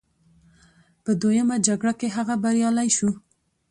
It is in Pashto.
په دویمه جګړه کې هغه بریالی شو.